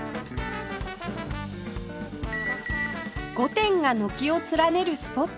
５店が軒を連ねるスポットも